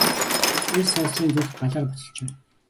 Эр суусрын зүрх Галаар буцалж байна.